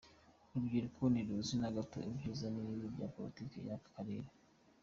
Urubyiruko ntiruzi na gato ibyiza n’ibibi bya politiki y’aka Karere.